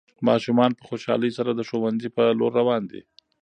ماشومان په خوشحالۍ سره د ښوونځي په لور روان دي.